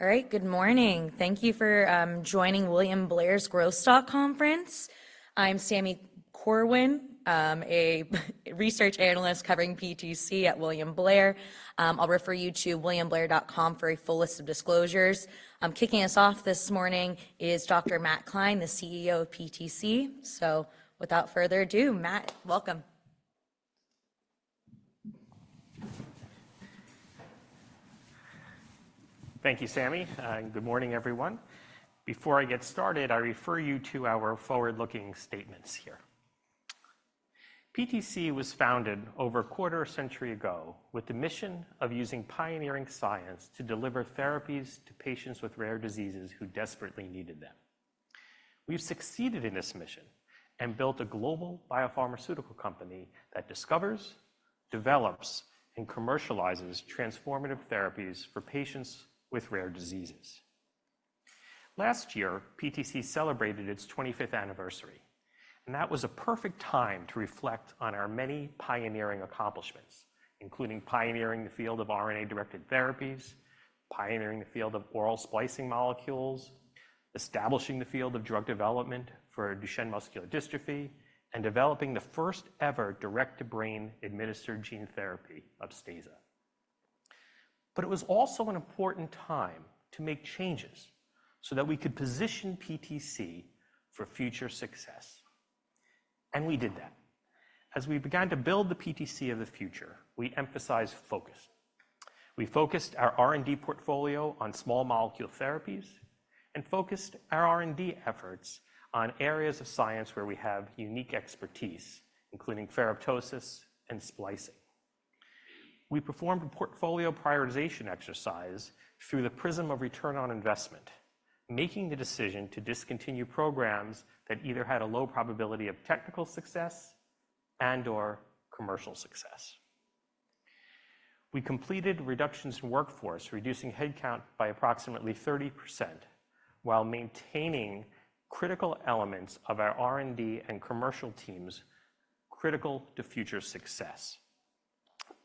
All right. Good morning. Thank you for joining William Blair's Growth Stock Conference. I'm Sami Corwin, a research analyst covering PTC at William Blair. I'll refer you to williamblair.com for a full list of disclosures. Kicking us off this morning is Dr. Matt Klein, the CEO of PTC. So without further ado, Matt, welcome. Thank you, Sami, and good morning, everyone. Before I get started, I refer you to our forward-looking statements here. PTC was founded over a quarter century ago with the mission of using pioneering science to deliver therapies to patients with rare diseases who desperately needed them. We've succeeded in this mission and built a global biopharmaceutical company that discovers, develops, and commercializes transformative therapies for patients with rare diseases. Last year, PTC celebrated its 25th anniversary, and that was a perfect time to reflect on our many pioneering accomplishments, including pioneering the field of RNA-directed therapies, pioneering the field of oral splicing molecules, establishing the field of drug development for Duchenne muscular dystrophy, and developing the first-ever direct-to-brain administered gene therapy, Upstaza. But it was also an important time to make changes so that we could position PTC for future success, and we did that. As we began to build the PTC of the future, we emphasized focus. We focused our R&D portfolio on small molecule therapies and focused our R&D efforts on areas of science where we have unique expertise, including ferroptosis and splicing. We performed a portfolio prioritization exercise through the prism of return on investment, making the decision to discontinue programs that either had a low probability of technical success and/or commercial success. We completed reductions in workforce, reducing headcount by approximately 30% while maintaining critical elements of our R&D and commercial teams critical to future success.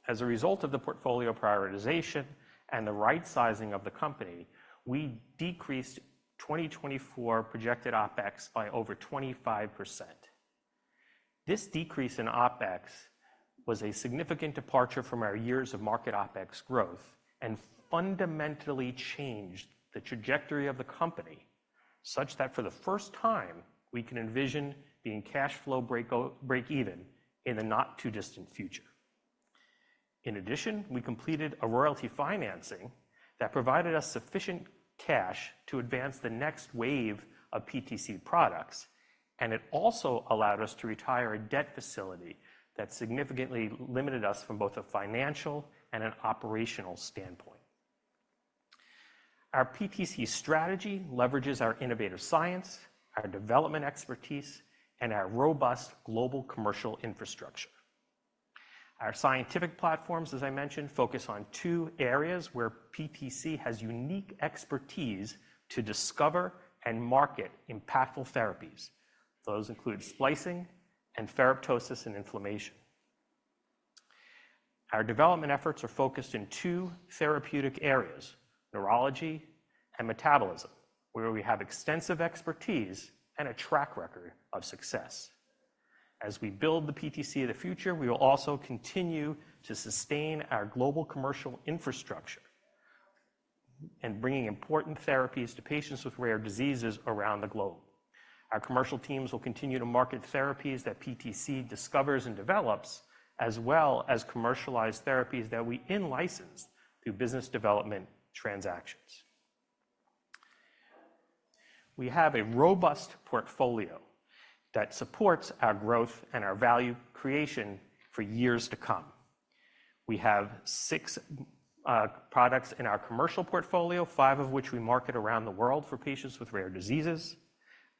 As a result of the portfolio prioritization and the right sizing of the company, we decreased 2024 projected OpEx by over 25%. This decrease in OpEx was a significant departure from our years of market OpEx growth and fundamentally changed the trajectory of the company, such that for the first time, we can envision being cash flow break even in the not-too-distant future. In addition, we completed a royalty financing that provided us sufficient cash to advance the next wave of PTC products, and it also allowed us to retire a debt facility that significantly limited us from both a financial and an operational standpoint. Our PTC strategy leverages our innovative science, our development expertise, and our robust global commercial infrastructure. Our scientific platforms, as I mentioned, focus on two areas where PTC has unique expertise to discover and market impactful therapies. Those include splicing and ferroptosis and inflammation. Our development efforts are focused in two therapeutic areas, neurology and metabolism, where we have extensive expertise and a track record of success. As we build the PTC of the future, we will also continue to sustain our global commercial infrastructure in bringing important therapies to patients with rare diseases around the globe. Our commercial teams will continue to market therapies that PTC discovers and develops, as well as commercialize therapies that we in-license through business development transactions. We have a robust portfolio that supports our growth and our value creation for years to come. We have six products in our commercial portfolio, five of which we market around the world for patients with rare diseases.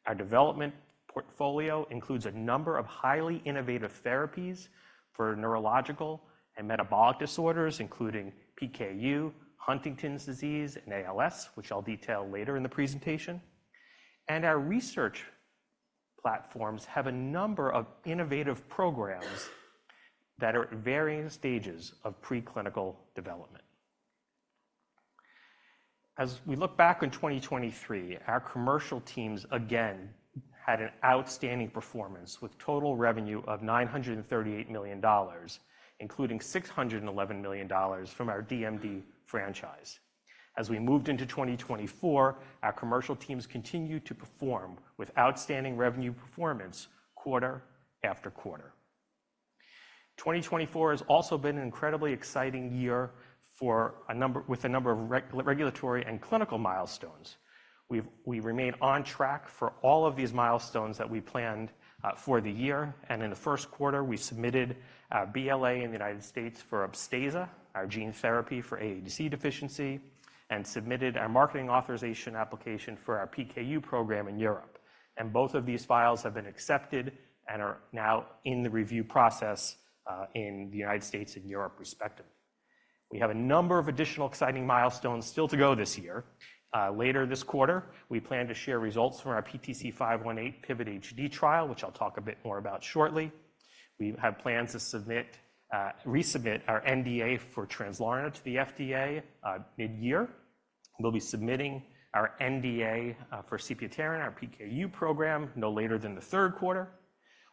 Our development portfolio includes a number of highly innovative therapies for neurological and metabolic disorders, including PKU, Huntington's disease, and ALS, which I'll detail later in the presentation. Our research platforms have a number of innovative programs that are at varying stages of preclinical development. As we look back on 2023, our commercial teams again had an outstanding performance, with total revenue of $938 million, including $611 million from our DMD franchise. As we moved into 2024, our commercial teams continued to perform with outstanding revenue performance quarter after quarter. 2024 has also been an incredibly exciting year for a number of regulatory and clinical milestones. We remain on track for all of these milestones that we planned for the year, and in the first quarter, we submitted our BLA in the United States for Upstaza, our gene therapy for AADC deficiency, and submitted our marketing authorization application for our PKU program in Europe. Both of these files have been accepted and are now in the review process in the United States and Europe respectively. We have a number of additional exciting milestones still to go this year. Later this quarter, we plan to share results from our PTC518 Pivot HD trial, which I'll talk a bit more about shortly. We have plans to submit, resubmit our NDA for Translarna to the FDA mid-year. We'll be submitting our NDA for sepiapterin, our PKU program, no later than the third quarter.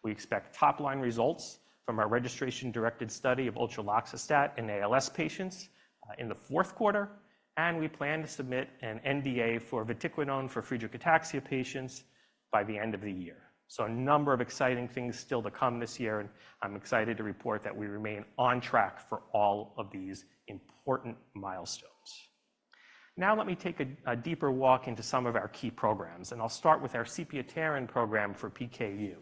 We expect top-line results from our registration-directed study of utreloxastat in ALS patients in the fourth quarter, and we plan to submit an NDA for vatiquinone for Friedreich ataxia patients by the end of the year. So a number of exciting things still to come this year, and I'm excited to report that we remain on track for all of these important milestones. Now, let me take a deeper walk into some of our key programs, and I'll start with our sepiapterin program for PKU.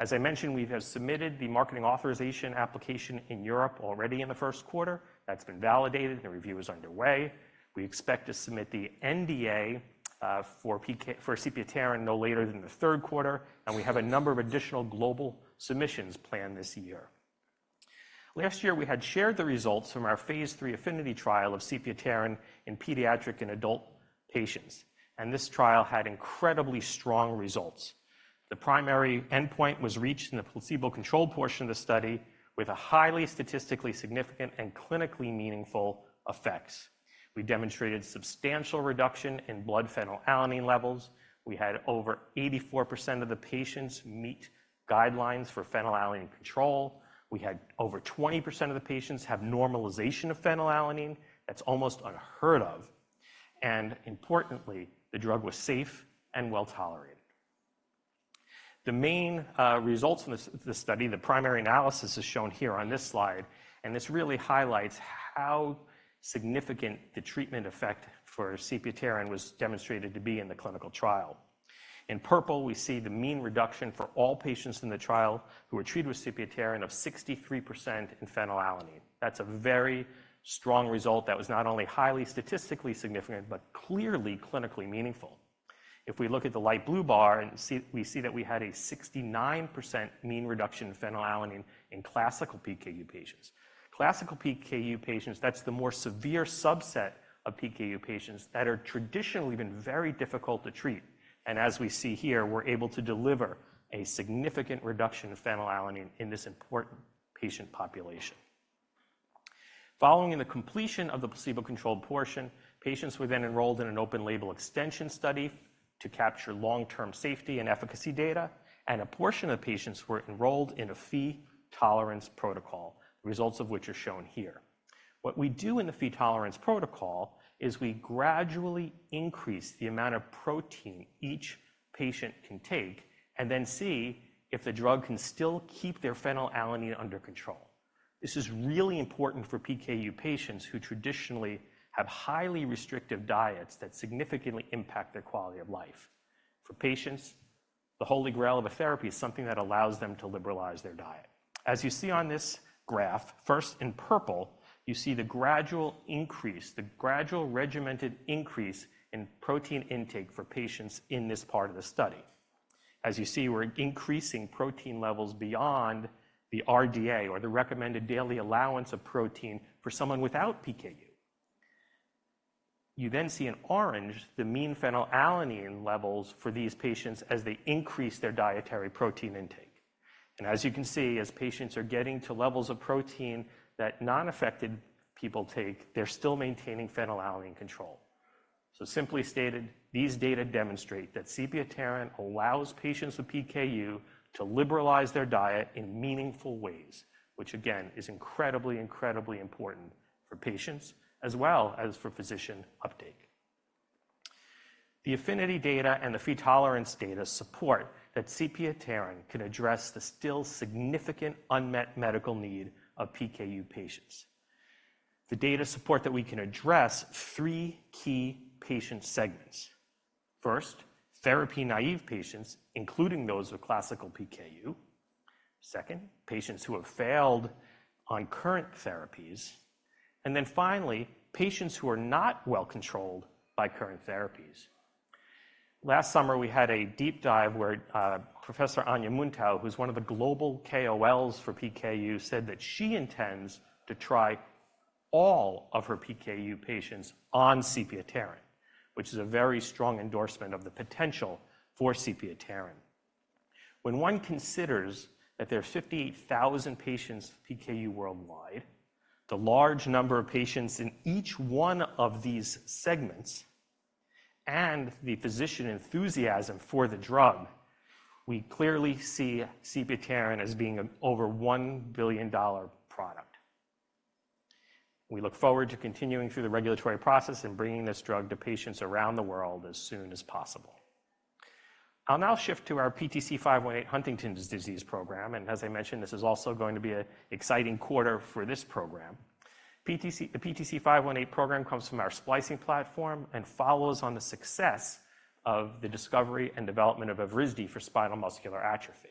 As I mentioned, we have submitted the marketing authorization application in Europe already in the first quarter. That's been validated, and review is underway. We expect to submit the NDA for sepiapterin no later than the third quarter, and we have a number of additional global submissions planned this year. Last year, we had shared the results from our phase III AFFINITY trial of sepiapterin in pediatric and adult patients, and this trial had incredibly strong results. The primary endpoint was reached in the placebo-controlled portion of the study with a highly statistically significant and clinically meaningful effects. We demonstrated substantial reduction in blood phenylalanine levels. We had over 84% of the patients meet guidelines for phenylalanine control. We had over 20% of the patients have normalization of phenylalanine. That's almost unheard of, and importantly, the drug was safe and well-tolerated. The main results from this study, the primary analysis, is shown here on this slide, and this really highlights how significant the treatment effect for sepiapterin was demonstrated to be in the clinical trial. In purple, we see the mean reduction for all patients in the trial who were treated with sepiapterin of 63% in phenylalanine. That's a very strong result that was not only highly statistically significant, but clearly clinically meaningful. If we look at the light blue bar and we see that we had a 69% mean reduction in phenylalanine in classical PKU patients. Classical PKU patients, that's the more severe subset of PKU patients that are traditionally been very difficult to treat, and as we see here, we're able to deliver a significant reduction of phenylalanine in this important patient population. Following the completion of the placebo-controlled portion, patients were then enrolled in an open-label extension study to capture long-term safety and efficacy data, and a portion of patients were enrolled in a Phe tolerance protocol, results of which are shown here. What we do in the Phe tolerance protocol is we gradually increase the amount of protein each patient can take and then see if the drug can still keep their phenylalanine under control. This is really important for PKU patients who traditionally have highly restrictive diets that significantly impact their quality of life. For patients, the holy grail of a therapy is something that allows them to liberalize their diet. As you see on this graph, first, in purple, you see the gradual increase, the gradual regimented increase in protein intake for patients in this part of the study. As you see, we're increasing protein levels beyond the RDA or the recommended daily allowance of protein for someone without PKU. You then see in orange, the mean phenylalanine levels for these patients as they increase their dietary protein intake. And as you can see, as patients are getting to levels of protein that non-affected people take, they're still maintaining phenylalanine control. So simply stated, these data demonstrate that sepiapterin allows patients with PKU to liberalize their diet in meaningful ways, which again, is incredibly, incredibly important for patients as well as for physician uptake. The AFFINITY data and the Phe tolerance data support that sepiapterin can address the still significant unmet medical need of PKU patients. The data support that we can address three key patient segments. First, therapy-naive patients, including those with classical PKU. Second, patients who have failed on current therapies, and then finally, patients who are not well controlled by current therapies. Last summer, we had a deep dive where Professor Ania Muntau, who's one of the global KOLs for PKU, said that she intends to try all of her PKU patients on sepiapterin, which is a very strong endorsement of the potential for sepiapterin. When one considers that there are 58,000 patients with PKU worldwide, the large number of patients in each one of these segments, and the physician enthusiasm for the drug, we clearly see sepiapterin as being an over $1 billion product. We look forward to continuing through the regulatory process and bringing this drug to patients around the world as soon as possible. I'll now shift to our PTC518 Huntington's disease program, and as I mentioned, this is also going to be an exciting quarter for this program. The PTC518 program comes from our splicing platform and follows on the success of the discovery and development of Evrysdi for spinal muscular atrophy.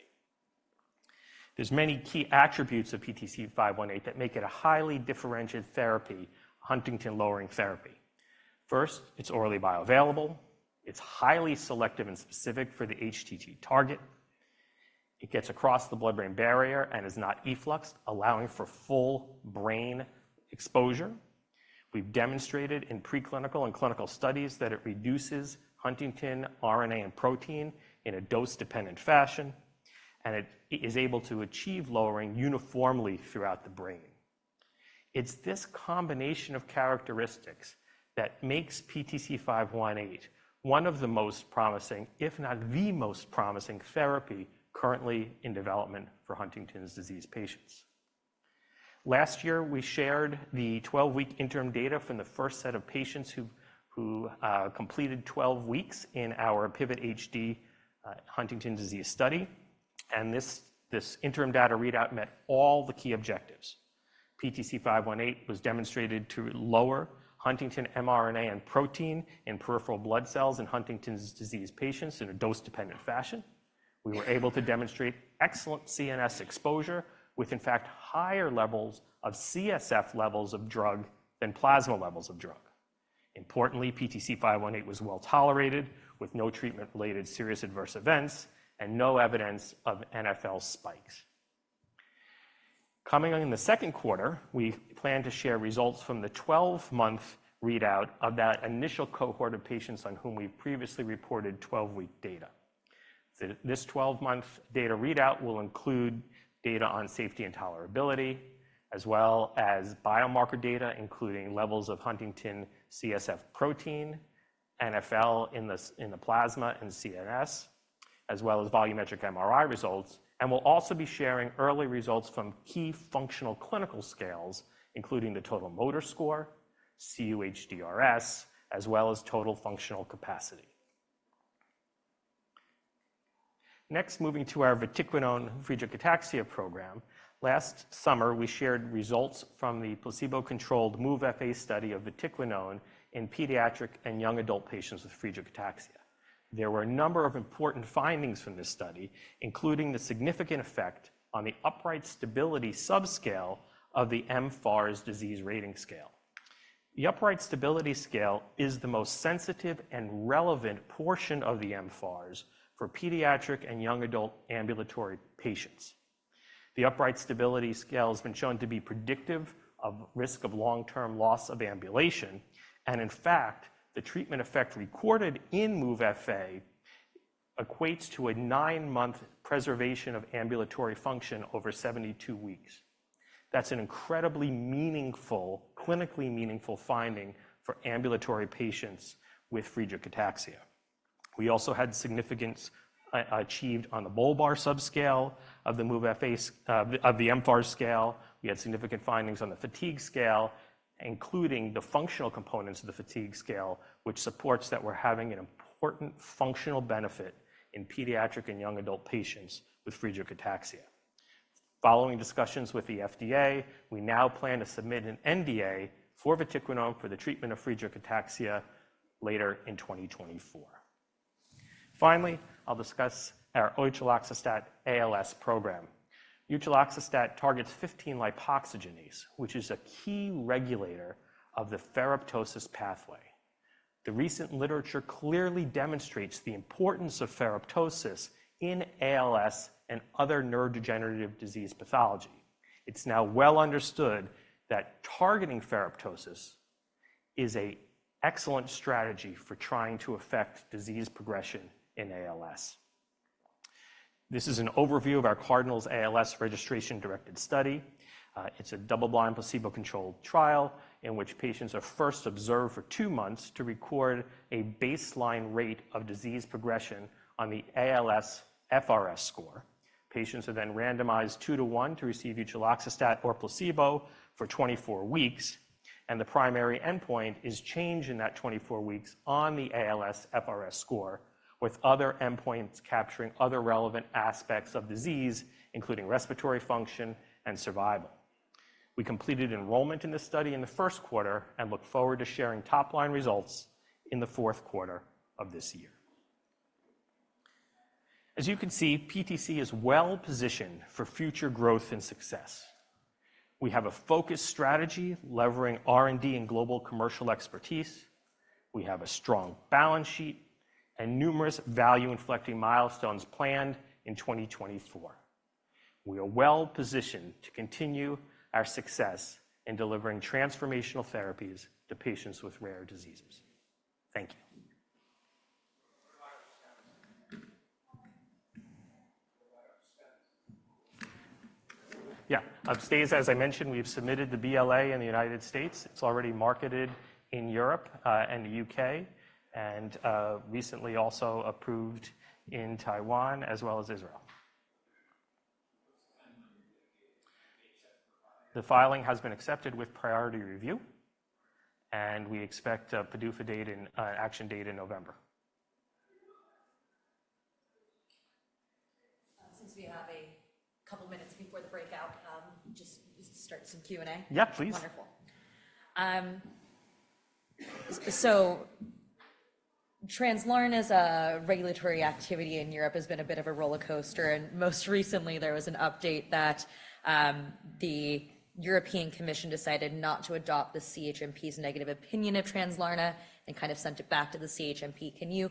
There's many key attributes of PTC518 that make it a highly differentiated therapy, Huntington lowering therapy. First, it's orally bioavailable. It's highly selective and specific for the HTT target. It gets across the blood-brain barrier and is not effluxed, allowing for full brain exposure. We've demonstrated in preclinical and clinical studies that it reduces Huntington RNA and protein in a dose-dependent fashion, and it is able to achieve lowering uniformly throughout the brain.... It's this combination of characteristics that makes PTC518 one of the most promising, if not the most promising therapy currently in development for Huntington's disease patients. Last year, we shared the 12-week interim data from the first set of patients who completed 12 weeks in our Pivot HD Huntington's disease study, and this interim data readout met all the key objectives. PTC518 was demonstrated to lower Huntington mRNA and protein in peripheral blood cells in Huntington's disease patients in a dose-dependent fashion. We were able to demonstrate excellent CNS exposure with, in fact, higher levels of CSF levels of drug than plasma levels of drug. Importantly, PTC518 was well-tolerated, with no treatment-related serious adverse events and no evidence of NfL spikes. Coming on in the second quarter, we plan to share results from the 12-month readout of that initial cohort of patients on whom we previously reported 12-week data. This 12-month data readout will include data on safety and tolerability, as well as biomarker data, including levels of Huntington CSF protein, NfL in the plasma and CNS, as well as volumetric MRI results, and we'll also be sharing early results from key functional clinical scales, including the Total Motor Score, cUHDRS, as well as total functional capacity. Next, moving to our vatiquinone Friedreich ataxia program. Last summer, we shared results from the placebo-controlled MOVE-FA study of vatiquinone in pediatric and young adult patients with Friedreich's ataxia. There were a number of important findings from this study, including the significant effect on the upright stability subscale of the mFARS disease rating scale. The upright stability scale is the most sensitive and relevant portion of the mFARS for pediatric and young adult ambulatory patients. The upright stability scale has been shown to be predictive of risk of long-term loss of ambulation, and in fact, the treatment effect recorded in MOVE-FA equates to a 9-month preservation of ambulatory function over 72 weeks. That's an incredibly meaningful, clinically meaningful finding for ambulatory patients with Friedreich's ataxia. We also had significance achieved on the bulbar subscale of the MOVE-FA, the, of the mFARS scale. We had significant findings on the fatigue scale, including the functional components of the fatigue scale, which supports that we're having an important functional benefit in pediatric and young adult patients with Friedreich's ataxia. Following discussions with the FDA, we now plan to submit an NDA for vatiquinone for the treatment of Friedreich's ataxia later in 2024. Finally, I'll discuss our utreloxastat ALS program. Utreloxastat targets 15-lipoxygenase, which is a key regulator of the ferroptosis pathway. The recent literature clearly demonstrates the importance of ferroptosis in ALS and other neurodegenerative disease pathology. It's now well understood that targeting ferroptosis is an excellent strategy for trying to affect disease progression in ALS. This is an overview of our CARDINALS-ALS registration-directed study. It's a double-blind, placebo-controlled trial in which patients are first observed for 2 months to record a baseline rate of disease progression on the ALSFRS score. Patients are then randomized 2 to 1 to receive utreloxastat or placebo for 24 weeks, and the primary endpoint is change in that 24 weeks on the ALSFRS score, with other endpoints capturing other relevant aspects of disease, including respiratory function and survival. We completed enrollment in this study in the first quarter and look forward to sharing top-line results in the fourth quarter of this year. As you can see, PTC is well positioned for future growth and success. We have a focused strategy, leveraging R&D and global commercial expertise. We have a strong balance sheet and numerous value-inflecting milestones planned in 2024. We are well positioned to continue our success in delivering transformational therapies to patients with rare diseases. Thank you.... Yeah, Upstaza, as I mentioned, we've submitted the BLA in the United States. It's already marketed in Europe, and the UK, and recently also approved in Taiwan as well as Israel. And the... The filing has been accepted with priority review, and we expect a PDUFA action date in November. Since we have a couple minutes before the breakout, just start some Q&A? Yeah, please. Wonderful. So Translarna's regulatory activity in Europe has been a bit of a rollercoaster, and most recently, there was an update that the European Commission decided not to adopt the CHMP's negative opinion of Translarna and kind of sent it back to the CHMP. Can you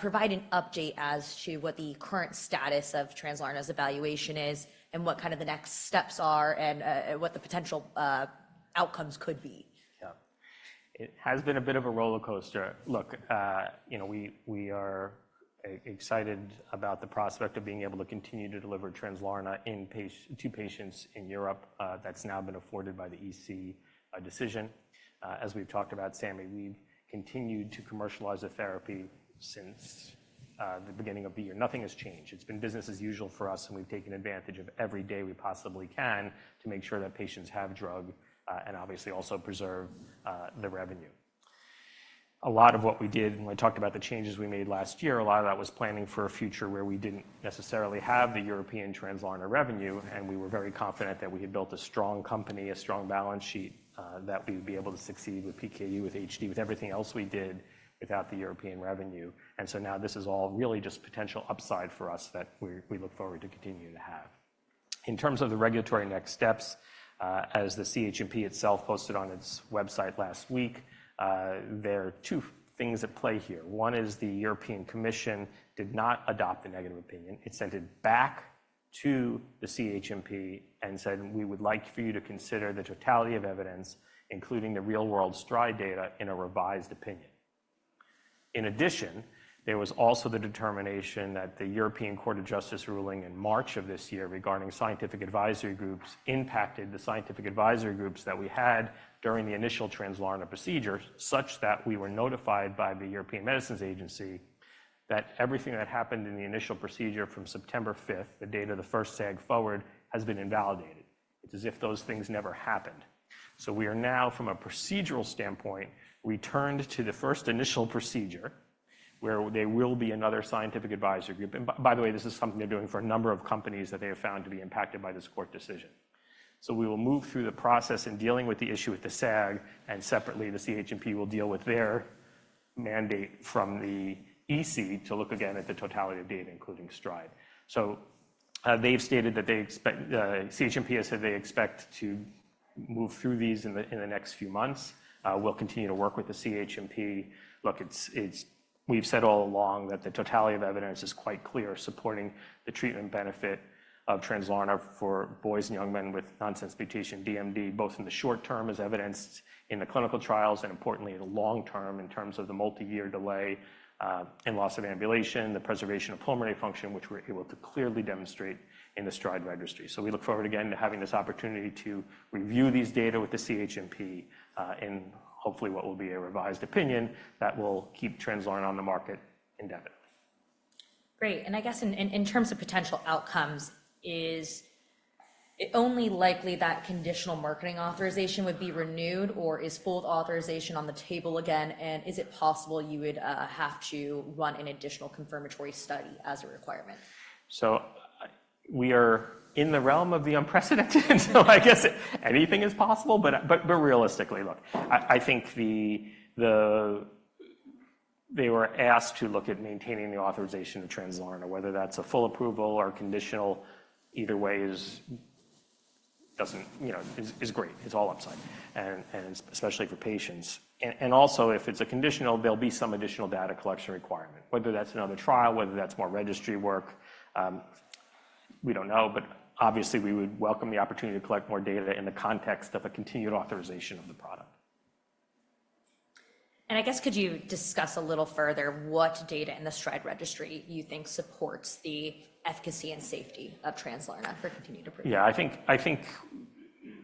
provide an update as to what the current status of Translarna's evaluation is, and what kind of the next steps are, and what the potential outcomes could be? Yeah.... It has been a bit of a rollercoaster. Look, you know, we are excited about the prospect of being able to continue to deliver Translarna to patients in Europe. That's now been afforded by the EC decision. As we've talked about, Sammy, we've continued to commercialize the therapy since the beginning of the year. Nothing has changed. It's been business as usual for us, and we've taken advantage of every day we possibly can to make sure that patients have drug and obviously also preserve the revenue. A lot of what we did, when I talked about the changes we made last year, a lot of that was planning for a future where we didn't necessarily have the European Translarna revenue, and we were very confident that we had built a strong company, a strong balance sheet, that we would be able to succeed with PKU, with HD, with everything else we did without the European revenue. And so now, this is all really just potential upside for us that we, we look forward to continuing to have. In terms of the regulatory next steps, as the CHMP itself posted on its website last week, there are two things at play here. One is the European Commission did not adopt the negative opinion. It sent it back to the CHMP and said: "We would like for you to consider the totality of evidence, including the real-world STRIDE data, in a revised opinion." In addition, there was also the determination that the European Court of Justice ruling in March of this year regarding scientific advisory groups impacted the scientific advisory groups that we had during the initial Translarna procedure, such that we were notified by the European Medicines Agency that everything that happened in the initial procedure from September fifth, the date of the first SAG forward, has been invalidated. It's as if those things never happened. So we are now, from a procedural standpoint, returned to the first initial procedure, where there will be another scientific advisory group. And by the way, this is something they're doing for a number of companies that they have found to be impacted by this court decision. So we will move through the process in dealing with the issue with the SAG, and separately, the CHMP will deal with their mandate from the EC to look again at the totality of data, including STRIDE. They've stated that they expect... CHMP has said they expect to move through these in the next few months. We'll continue to work with the CHMP. Look, we've said all along that the totality of evidence is quite clear, supporting the treatment benefit of Translarna for boys and young men with nonsense mutation DMD, both in the short term, as evidenced in the clinical trials, and importantly, in the long term, in terms of the multi-year delay in loss of ambulation, the preservation of pulmonary function, which we're able to clearly demonstrate in the STRIDE registry. So we look forward again to having this opportunity to review these data with the CHMP, in hopefully what will be a revised opinion that will keep Translarna on the market indefinitely. Great. And I guess in terms of potential outcomes, is it only likely that conditional marketing authorization would be renewed, or is full authorization on the table again? And is it possible you would have to run an additional confirmatory study as a requirement? So, we are in the realm of the unprecedented, so I guess anything is possible. But realistically, look, I think. They were asked to look at maintaining the authorization of Translarna. Whether that's a full approval or conditional, either way, you know, is great. It's all upside, and especially for patients. And also, if it's a conditional, there'll be some additional data collection requirement, whether that's another trial, whether that's more registry work, we don't know. But obviously, we would welcome the opportunity to collect more data in the context of a continued authorization of the product. I guess, could you discuss a little further what data in the STRIDE registry you think supports the efficacy and safety of Translarna for continued approval? Yeah, I think,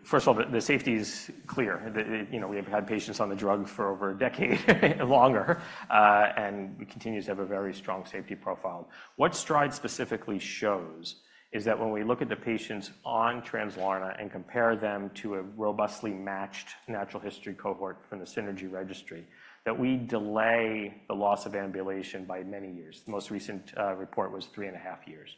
first of all, the you know, we've had patients on the drug for over a decade, longer, and it continues to have a very strong safety profile. What STRIDE specifically shows is that when we look at the patients on Translarna and compare them to a robustly matched natural history cohort from the CINRG registry, that we delay the loss of ambulation by many years. The most recent report was 3.5 years.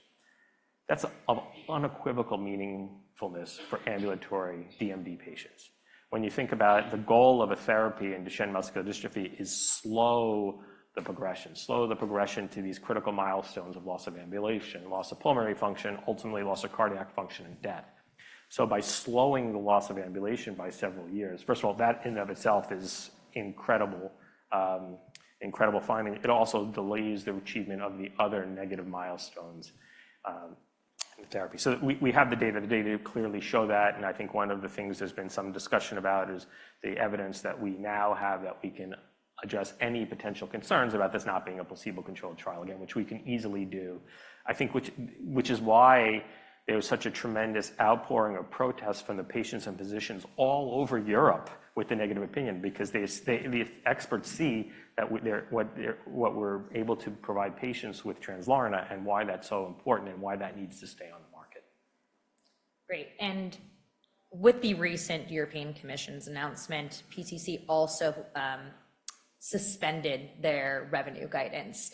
That's of unequivocal meaningfulness for ambulatory DMD patients. When you think about it, the goal of a therapy in Duchenne muscular dystrophy is slow the progression, slow the progression to these critical milestones of loss of ambulation, loss of pulmonary function, ultimately loss of cardiac function and death. So by slowing the loss of ambulation by several years, first of all, that in and of itself is incredible, incredible finding. It also delays the achievement of the other negative milestones with therapy. So we have the data. The data clearly show that, and I think one of the things there's been some discussion about is the evidence that we now have, that we can address any potential concerns about this not being a placebo-controlled trial, again, which we can easily do. I think which is why there was such a tremendous outpouring of protests from the patients and physicians all over Europe with the negative opinion because the experts see that we're able to provide patients with Translarna and why that's so important and why that needs to stay on the market. Great. And with the recent European Commission's announcement, PTC also suspended their revenue guidance.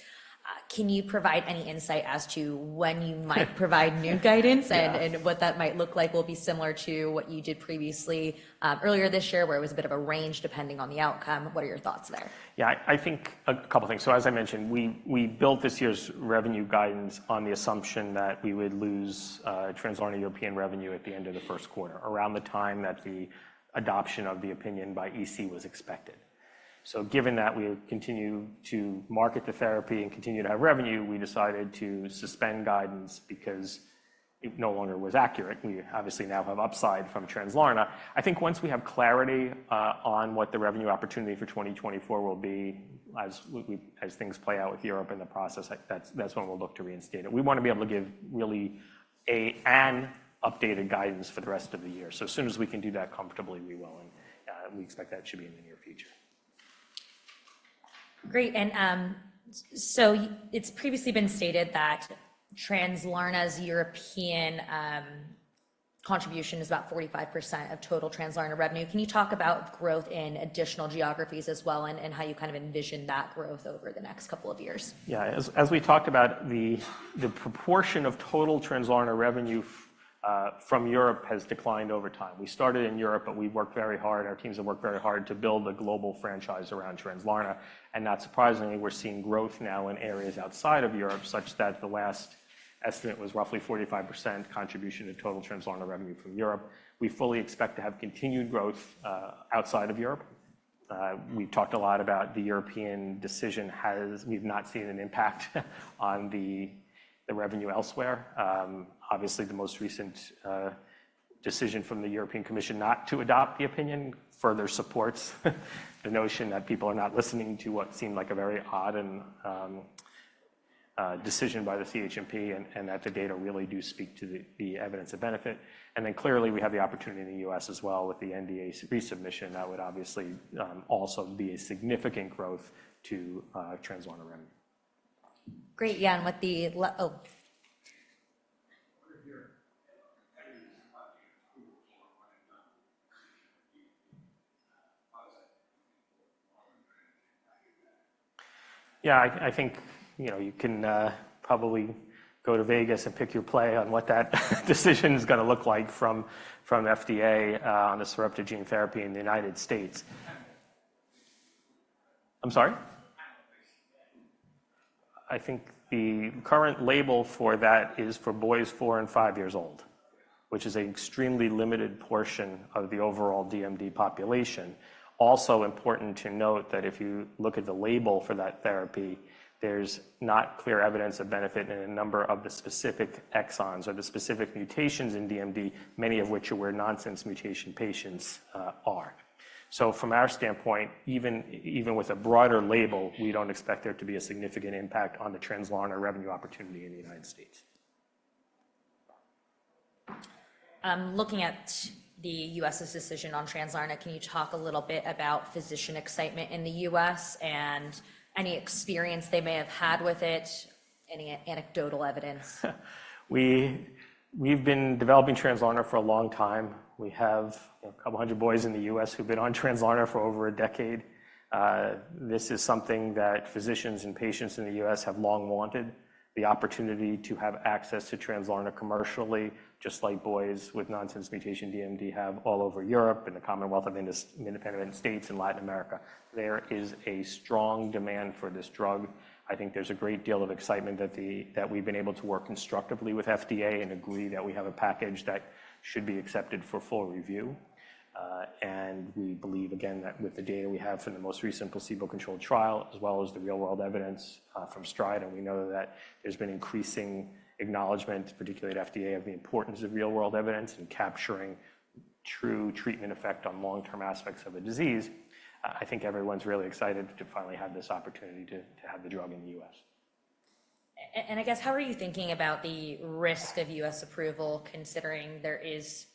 Can you provide any insight as to when you might provide new guidance? Yeah. what that might look like will be similar to what you did previously, earlier this year, where it was a bit of a range, depending on the outcome? What are your thoughts there? Yeah, I think a couple things. So as I mentioned, we built this year's revenue guidance on the assumption that we would lose Translarna European revenue at the end of the first quarter, around the time that the adoption of the opinion by EC was expected. So given that we would continue to market the therapy and continue to have revenue, we decided to suspend guidance because it no longer was accurate. We obviously now have upside from Translarna. I think once we have clarity on what the revenue opportunity for 2024 will be, as things play out with Europe and the process, that's when we'll look to reinstate it. We wanna be able to give really an updated guidance for the rest of the year. As soon as we can do that comfortably, we will, and we expect that should be in the near future. Great. And, so it's previously been stated that Translarna's European contribution is about 45% of total Translarna revenue. Can you talk about growth in additional geographies as well, and how you kind of envision that growth over the next couple of years? Yeah. As we talked about, the proportion of total Translarna revenue from Europe has declined over time. We started in Europe, but we've worked very hard, our teams have worked very hard to build a global franchise around Translarna. And not surprisingly, we're seeing growth now in areas outside of Europe, such that the last estimate was roughly 45% contribution to total Translarna revenue from Europe. We fully expect to have continued growth outside of Europe. We've talked a lot about the European decision. We've not seen an impact on the revenue elsewhere. Obviously, the most recent decision from the European Commission not to adopt the opinion further supports the notion that people are not listening to what seemed like a very odd and decision by the CHMP, and that the data really do speak to the evidence of benefit. Then clearly, we have the opportunity in the US as well with the NDA resubmission. That would obviously also be a significant growth to Translarna revenue. Great. Yeah, and with the la- oh. What are your competitors planning to approve for prime number? How is that? Yeah, I think, you know, you can probably go to Vegas and pick your play on what that decision is gonna look like from FDA on the dystrophin gene therapy in the United States. I'm sorry? ... I think the current label for that is for boys four and five years old, which is an extremely limited portion of the overall DMD population. Also important to note that if you look at the label for that therapy, there's not clear evidence of benefit in a number of the specific exons or the specific mutations in DMD, many of which are where nonsense mutation patients are. So from our standpoint, even with a broader label, we don't expect there to be a significant impact on the Translarna revenue opportunity in the United States. Looking at the U.S.'s decision on Translarna, can you talk a little bit about physician excitement in the U.S. and any experience they may have had with it, any anecdotal evidence? We've been developing Translarna for a long time. We have a couple hundred boys in the U.S. who've been on Translarna for over a decade. This is something that physicians and patients in the U.S. have long wanted, the opportunity to have access to Translarna commercially, just like boys with nonsense mutation DMD have all over Europe and the Commonwealth of Independent States and Latin America. There is a strong demand for this drug. I think there's a great deal of excitement that we've been able to work constructively with FDA and agree that we have a package that should be accepted for full review. We believe, again, that with the data we have from the most recent placebo-controlled trial, as well as the real-world evidence from STRIDE, and we know that there's been increasing acknowledgment, particularly at FDA, of the importance of real-world evidence in capturing true treatment effect on long-term aspects of a disease. I think everyone's really excited to finally have this opportunity to have the drug in the U.S. I guess, how are you thinking about the risk of U.S. approval, considering there is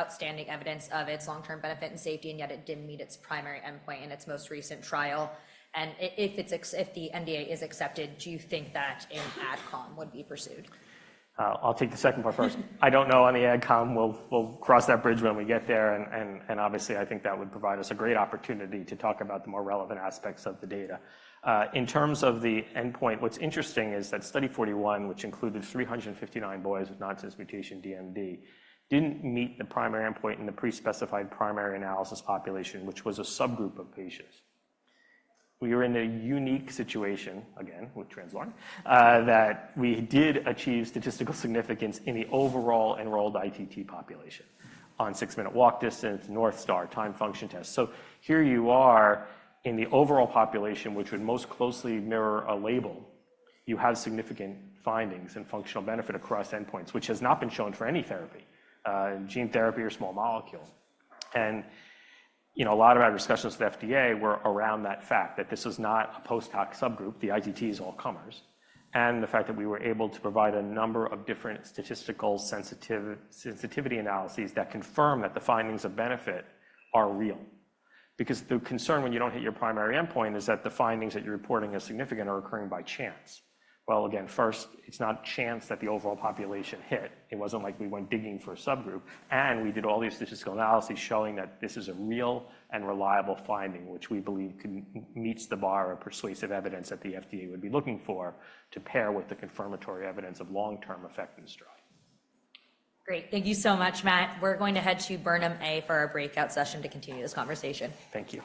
outstanding evidence of its long-term benefit and safety, and yet it didn't meet its primary endpoint in its most recent trial? If the NDA is accepted, do you think that an AdCom would be pursued? I'll take the second part first. I don't know on the AdCom. We'll cross that bridge when we get there, and obviously, I think that would provide us a great opportunity to talk about the more relevant aspects of the data. In terms of the endpoint, what's interesting is that Study 41, which included 359 boys with nonsense mutation DMD, didn't meet the primary endpoint in the pre-specified primary analysis population, which was a subgroup of patients. We were in a unique situation, again, with Translarna, that we did achieve statistical significance in the overall enrolled ITT population on six-minute walk distance, North Star, timed function test. So here you are in the overall population, which would most closely mirror a label. You have significant findings and functional benefit across endpoints, which has not been shown for any therapy in gene therapy or small molecule. And, you know, a lot of our discussions with FDA were around that fact, that this was not a post-hoc subgroup, the ITT is all comers, and the fact that we were able to provide a number of different statistical sensitivity analyses that confirm that the findings of benefit are real. Because the concern when you don't hit your primary endpoint is that the findings that you're reporting as significant are occurring by chance. Well, again, first, it's not chance that the overall population hit. It wasn't like we went digging for a subgroup, and we did all the statistical analyses showing that this is a real and reliable finding, which we believe meets the bar of persuasive evidence that the FDA would be looking for to pair with the confirmatory evidence of long-term effect in this drug. Great. Thank you so much, Matt. We're going to head to Burnham A for our breakout session to continue this conversation. Thank you.